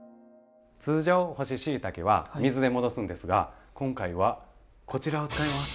通常干ししいたけは水で戻すんですが今回はこちらを使います。